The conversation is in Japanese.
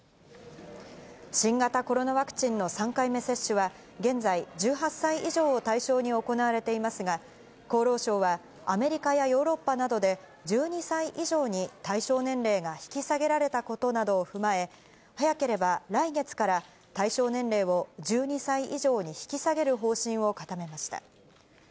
新型コロナワクチンの３回目接種は、現在、１８歳以上を対象に行われていますが、厚労省は、アメリカやヨーロッパなどで、１２歳以上に対象年齢が引き下げられたことなどを踏まえ、早ければ来月から、対象年齢を１２歳以上に引き下げる方針を固めました。